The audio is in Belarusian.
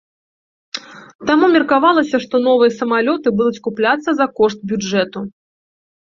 Таму меркавалася, што новыя самалёты будуць купляцца за кошт бюджэту.